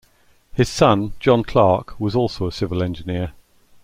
His son, John Clarke was also a civil engineer.